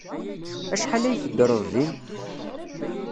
Acḥal ay teddreḍ din?